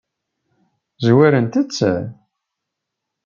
Zwarent-tt?